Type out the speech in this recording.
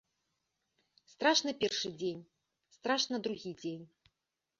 Страшна першы дзень, страшна другі дзень.